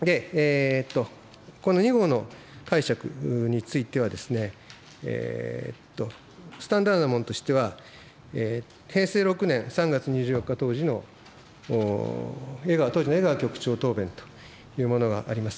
この２号の解釈については、スタンダードなものとしては、平成６年３月２４日当時の、当時の江川局長答弁というものがあります。